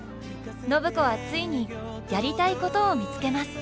暢子はついにやりたいことを見つけます。